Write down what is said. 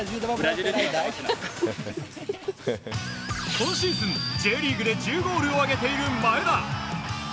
今シーズン、Ｊリーグで１０ゴールを挙げている前田。